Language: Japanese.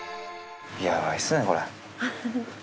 やばいっすねこれ。